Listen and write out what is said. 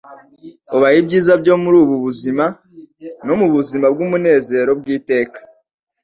ubaha ibyiza byo muri ubu buzima, no mu buzima bw'umunezero bw'iteka .